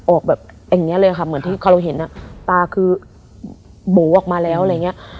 ออกแบบอย่างเงี้ยเลยอะค่ะเหมือนที่เขาเห็นอะตาคือโบ๋ออกมาแล้วอะไรเงี้ย